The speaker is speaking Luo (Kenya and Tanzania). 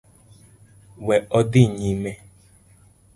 We odhi nyime